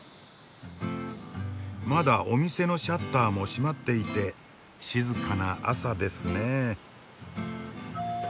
まだお店のシャッターも閉まっていて静かな朝ですねえ。